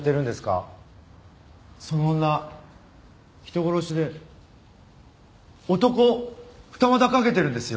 その女人殺しで男を二股かけてるんですよ。